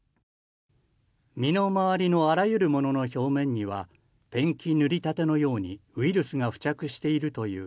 身の回りのあらゆるものの表面にはペンキ塗りたてのようにウイルスが付着しているという。